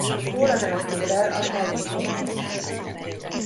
Róla nevezték el a Hellészpontoszt.